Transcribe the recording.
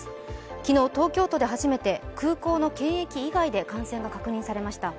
昨日、東京都で初めて、空港の検疫以外で感染が確認されました。